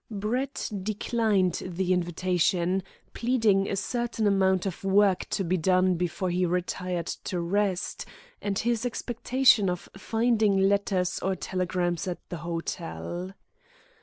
Brett declined the invitation, pleading a certain amount of work to be done before he retired to rest, and his expectation of finding letters or telegrams at the hotel.